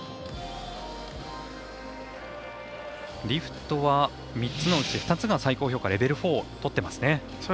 リフトは３つのうち２つが最高評価レベル４とってますね。